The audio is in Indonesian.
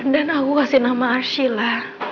dan aku kasih nama arsila